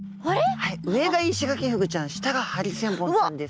はい上がイシガキフグちゃん下がハリセンボンちゃんです。